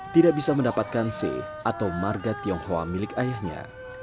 tidak bisa mendapatkan c atau marga tionghoa milik ayahnya